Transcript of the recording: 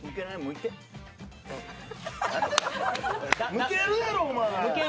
むけるやろ、お前！